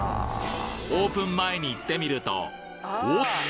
オープン前に行ってみるとおっと！